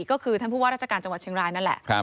ก็คือท่านผู้ว่าราชการจังหวัดเชียงรายนั่นแหละ